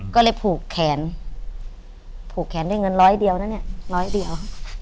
ก็เลยผูกแขนผูกแขนได้เงินร้อยเดียวนะเนี่ยร้อยเดียว